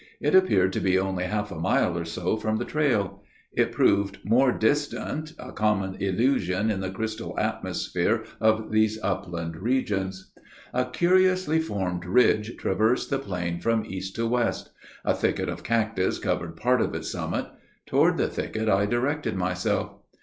It appeared to be only half a mile or so from the trail. It proved more distant a common illusion in the crystal atmosphere of these upland regions. A curiously formed ridge, traversed the plain from east to west. A thicket of cactus covered part of its summit. Toward the thicket I directed myself.